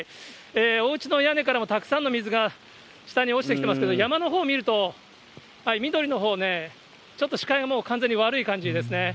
おうちの屋根からもたくさんの水が下に落ちてきていますけれども、山のほう見ると、緑のほうね、ちょっと視界がもう完全に悪い感じですね。